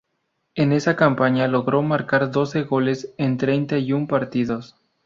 En esa campaña logró marcar doce goles en treinta y un partidos.